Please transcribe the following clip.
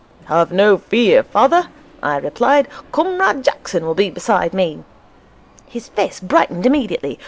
"Have no fear, father," I replied. "Comrade Jackson will be beside me." His face brightened immediately.